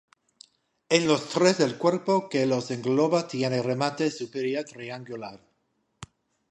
En los tres el cuerpo que los engloba tiene remate superior triangular.